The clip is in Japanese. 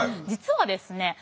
実はですね